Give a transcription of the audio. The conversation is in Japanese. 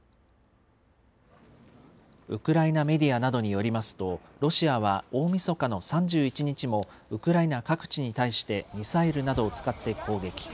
ウクライナメディアなどによりますと、ロシアは大みそかの３１日も、ウクライナ各地に対してミサイルなどを使って攻撃。